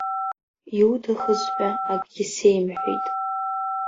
Иуҭахыз ҳәа акагьы сеимҳәеит.